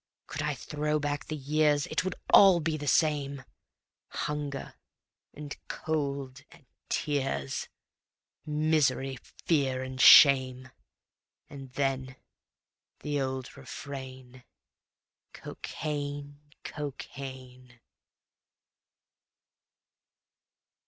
Could I throw back the years, It all would be the same; Hunger and cold and tears, Misery, fear and shame, And then the old refrain, Cocaine! Cocaine!